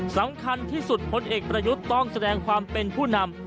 สำคัญที่สุดพลเอกประยุทธ์ต้องแสดงความเป็นผู้นำ